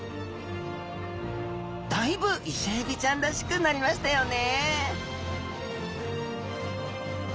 だいぶイセエビちゃんらしくなりましたよね